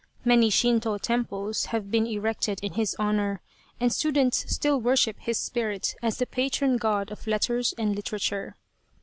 Many Shinto temples have been erected in his honour, and students still worship his spirit as the patron god of letters and literature.